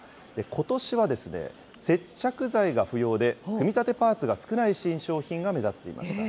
ことしは、接着剤が不要で、組み立てパーツが少ない新商品が目立っていました。